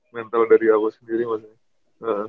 mental dari aku sendiri maksudnya